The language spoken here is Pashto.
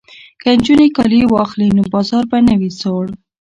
که نجونې کالي واخلي نو بازار به نه وي سوړ.